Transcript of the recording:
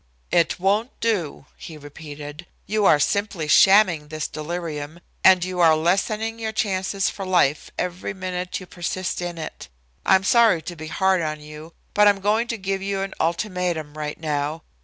"It won't do," he repeated. "You are simply shamming this delirium, and you are lessening your chances for life every minute you persist in it. I'm sorry to be hard on you, but I'm going to give you an ultimatum right now.